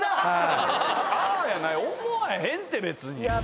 思わへんて別に。